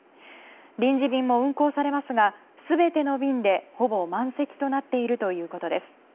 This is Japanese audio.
臨時便も運航されますが全ての便で、ほぼ満席となっているということです。